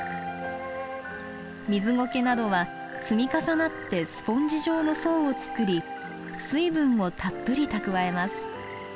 ミズゴケなどは積み重なってスポンジ状の層を作り水分をたっぷり蓄えます。